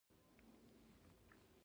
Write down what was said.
خوشحالی په نیکې کی ده حسد زړه توروی